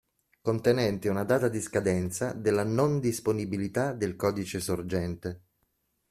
Contenente una data di scadenza della non disponibilità del codice sorgente.